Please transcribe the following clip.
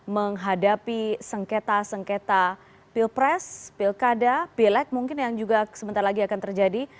menghadapi sengketa sengketa pilpres pilkada pileg mungkin yang juga sebentar lagi akan terjadi